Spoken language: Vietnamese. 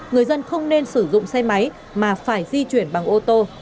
người dân không nên sử dụng xe máy mà phải di chuyển bằng ô tô